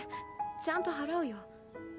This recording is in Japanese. ちゃんと払うよ。